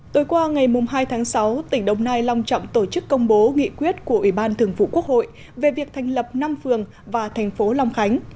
tối qua ngày hai tháng sáu tỉnh đồng nai long trọng tổ chức công bố nghị quyết của ủy ban thường vụ quốc hội về việc thành lập năm phường và thành phố long khánh